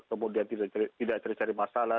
kemudian tidak cari cari masalah